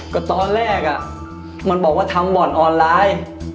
ก็ตอนแรกมันบอกว่าทำบ่อนออนไลน์